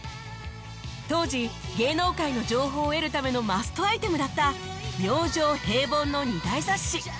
当時芸能界の情報を得るためのマストアイテムだった『明星』『平凡』の２大雑誌